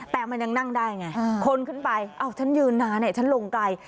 แต่มันยังนั่งได้ไงคนขึ้นไปอ้าวฉันยืนนานเนี่ยฉันลงไกล